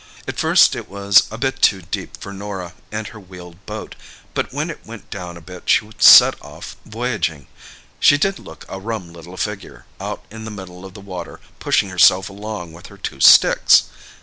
At first it was a bit too deep for Norah and her wheeled boat, but when it went down a bit she set off voyaging. She did look a rum little figure, out in the middle of the water, pushing herself along with her two sticks!